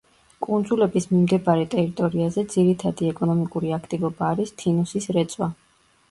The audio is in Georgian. კუნძულების მიმდებარე ტერიტორიაზე ძირითადი ეკონომიკური აქტივობა არის თინუსის რეწვა.